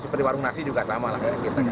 seperti warung nasi juga sama lah kita